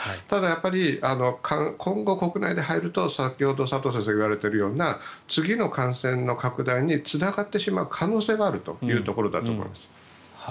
ただ今後、国内で入ると先ほど佐藤先生が言われているような次の感染の拡大につながってしまう可能性があるというところだと思います。